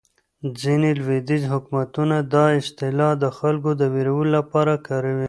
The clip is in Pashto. ځینې لویدیځ حکومتونه دا اصطلاح د خلکو د وېرولو لپاره کاروي.